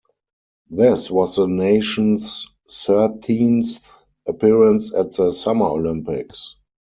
This was the nation's thirteenth appearance at the Summer Olympics.